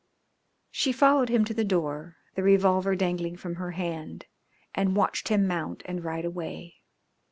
She followed him to the door, the revolver dangling from her hand, and watched him mount and ride away.